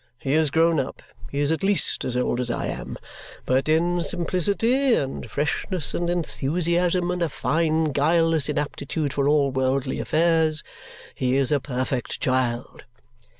He is grown up he is at least as old as I am but in simplicity, and freshness, and enthusiasm, and a fine guileless inaptitude for all worldly affairs, he is a perfect child."